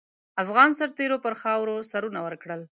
افغان سرتېرو پر خاوره سرونه ورکړل.